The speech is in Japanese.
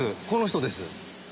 この人です。